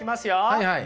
はいはい。